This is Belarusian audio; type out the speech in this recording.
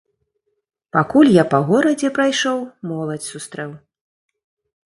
Пакуль я па горадзе прайшоў, моладзь сустрэў.